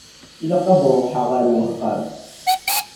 Ilaq ad ṛuḥeɣ ar uxxam.